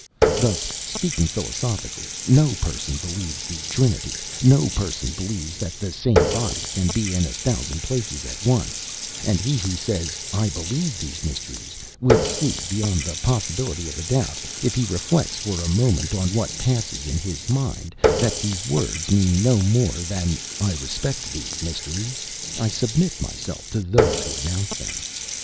Thus, speaking philosophically, no person believes the Trinity; no person believes that the same body can be in a thousand places at once; and he who says, I believe these mysteries, will see, beyond the possibility of a doubt, if he reflects for a moment on what passes in his mind, that these words mean no more than, I respect thee, mysteries; I submit myself to those who announce them.